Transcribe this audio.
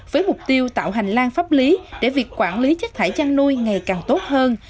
với mục tiêu tạo hành lang pháp lý để việc quản lý chất thải chăn nuôi ngày càng tốt hơn